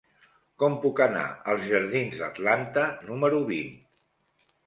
Com puc anar als jardins d'Atlanta número vint?